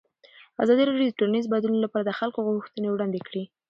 ازادي راډیو د ټولنیز بدلون لپاره د خلکو غوښتنې وړاندې کړي.